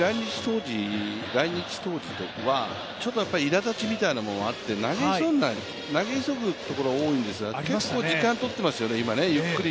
来日当時とかはちょっといらだちとかもあって投げ急ぐところが多いんですが、結構時間をとっていますよね、ゆっくり。